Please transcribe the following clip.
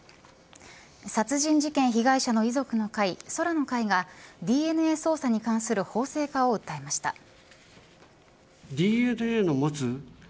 殺人事件被害者の遺族の会宙の会がＤＮＡ捜査に関する法制化を訴えました。